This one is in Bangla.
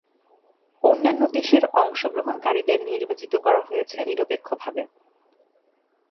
অন্যান্য দেশের অংশগ্রহণকারীদের নির্বাচিত করা হয়েছে নিরপেক্ষভাবে।